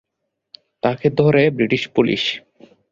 তাকে ধরে British police.